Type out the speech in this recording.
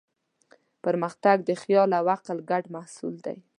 پرمختګ د خیال او عقل ګډ محصول دی.